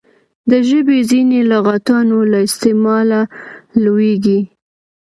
د ژبي ځیني لغاتونه له استعماله لوړیږي.